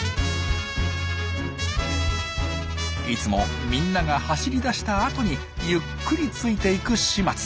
いつもみんなが走り出したあとにゆっくりついていく始末。